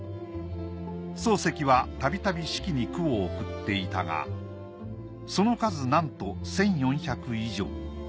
漱石はたびたび子規に句を送っていたがその数なんと１，４００以上。